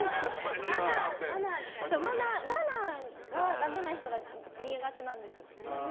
マナーがダメな人が苦手なんです。